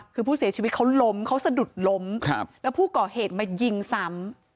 คือผู้เสียชีวิตเขาล้มเขาสะดุดล้มแล้วผู้ก่อเหตุมายิงซ้ำ